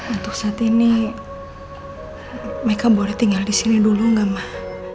untuk saat ini mereka boleh tinggal disini dulu gak mah